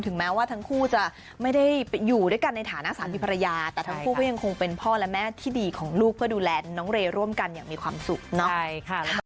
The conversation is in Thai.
แม้ว่าทั้งคู่จะไม่ได้อยู่ด้วยกันในฐานะสามีภรรยาแต่ทั้งคู่ก็ยังคงเป็นพ่อและแม่ที่ดีของลูกเพื่อดูแลน้องเรย์ร่วมกันอย่างมีความสุขเนาะ